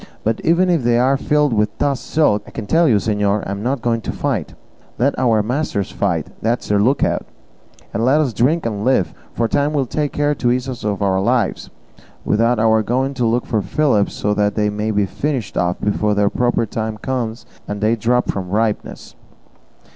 But even if they are filled with toss silk, I can tell you, señor, I am not going to fight; let our masters fight, that's their lookout, and let us drink and live; for time will take care to ease us of our lives, without our going to look for fillips so that they may be finished off before their proper time comes and they drop from ripeness."